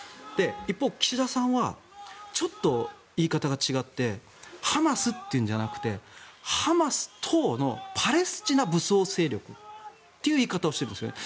一方、岸田さんはちょっと言い方が違ってハマスというんじゃなくてハマス等のパレスチナ武装勢力っていう言い方をしているんですね。